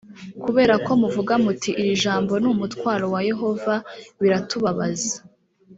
kubera ko muvuga muti irijambo ni umutwaro wa yehova biratubabaza.